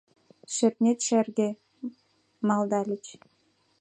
Шӧртнет шерге, малдальыч.